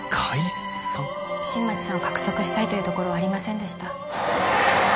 新町さんを獲得したいというところはありませんでした